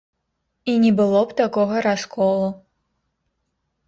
І не было б такога расколу.